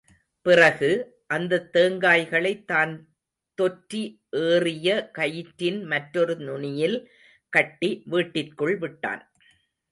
பிறகு, அந்தத் தேங்காய்களைத் தான் தொற்றி ஏறிய கயிற்றின் மற்றொரு நுனியில் கட்டி, வீட்டிற்குள் விட்டான்.